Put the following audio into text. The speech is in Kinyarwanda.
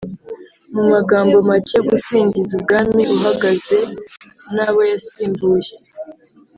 mu magambo make, gusingiza umwami uhagaze n'abo yasimbuye